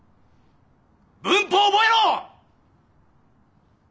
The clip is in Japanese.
文法を覚えろ！